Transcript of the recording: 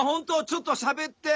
ちょっとしゃべって。